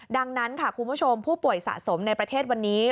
ดังนั้นค่ะคุณผู้ชมผู้ป่วยสะสมในประเทศวันนี้